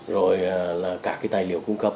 rồi các tài liệu cung cấp